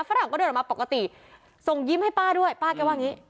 ฝรั่งก็เดินออกมาปกติส่งยิ้มให้ป้าด้วยป้าแกว่าอย่างนี้